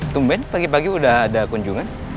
tumben pagi pagi sudah ada kunjungan